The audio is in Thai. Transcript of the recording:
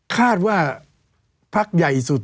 คาดว่าพักใหญ่สุด